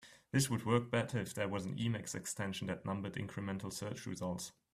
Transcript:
This would work better if there were an Emacs extension that numbered incremental search results.